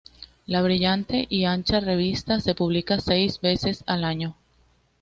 La brillante y ancha revista se publica seis veces al año.